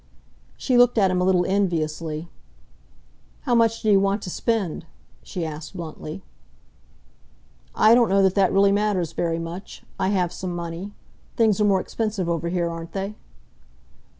She looked at him a little enviously. "How much do you want to spend?" she asked bluntly. "I don't know that that really matters very much. I have some money. Things are more expensive over here, aren't they?"